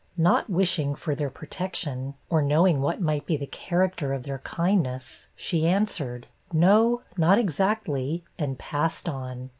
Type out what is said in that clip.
Not wishing for their protection, or knowing what might be the character of their kindness, she answered, 'No, not exactly,' and passed on.